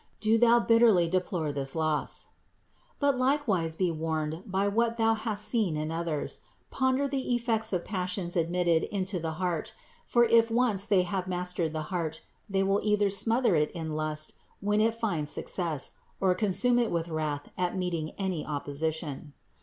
Do thou bitterly deplore this loss. 680. But likewise be warned by what thou hast seen in others ; ponder the effects of passions admitted into the heart ; for if once they have mastered the heart, they will either smother it in lust when it finds success, or consume it with wrath at meeting any opposition.